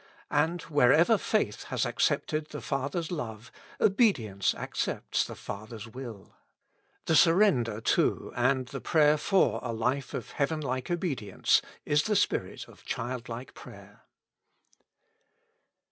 And wherever faith has accepted the Father's love, obedience accepts the Father's will. The sur render to, and the prayer for a life of heaven like obedience, is the spirit of child like prayer.